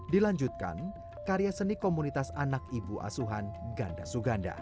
dilanjutkan karya seni komunitas anak ibu asuhan ganda suganda